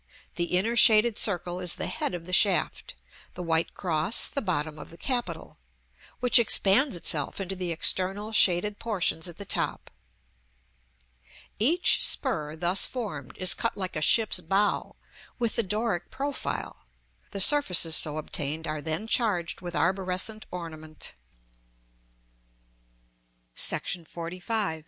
the inner shaded circle is the head of the shaft; the white cross, the bottom of the capital, which expands itself into the external shaded portions at the top. Each spur, thus formed, is cut like a ship's bow, with the Doric profile; the surfaces so obtained are then charged with arborescent ornament. § XLV.